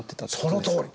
そのとおり！